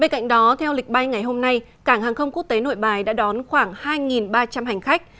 bên cạnh đó theo lịch bay ngày hôm nay cảng hàng không quốc tế nội bài đã đón khoảng hai ba trăm linh hành khách